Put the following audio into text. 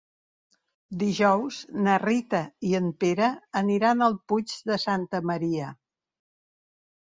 Dijous na Rita i en Pere aniran al Puig de Santa Maria.